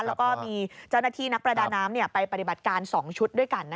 แล้วก็มีเจ้าหน้าที่นักประดาน้ำไปปฏิบัติการ๒ชุดด้วยกัน